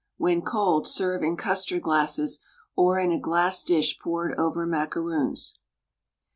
When cold, serve in custard glasses, or in a glass dish poured over macaroons.